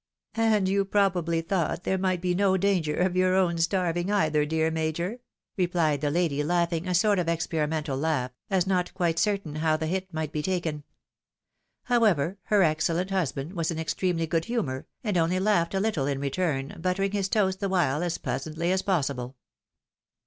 " And you probably thought there might be no danger of your own starving either, dear Major ?" replied the lady, laugh ing a sort of experimental laugh, as not quite certain how the hit might be taken. However, her excellent husband was in extremely good humour, and only laughed a Httle in return, buttering his toast the while as pleasantly as possible.